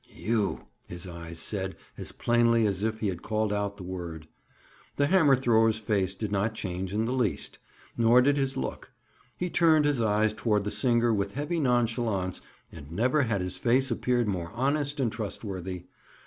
"You!" his eyes said as plainly as if he had called out the word. The hammer thrower's face did not change in the least; nor did his look. He turned his eyes toward the singer with heavy nonchalance and never had his face appeared more honest and trustworthy.